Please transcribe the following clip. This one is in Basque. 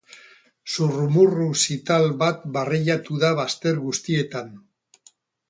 Zurrumurru zital bat barreiatu da bazter guztietan.